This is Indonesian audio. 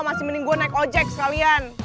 masih mending gue naik ojek sekalian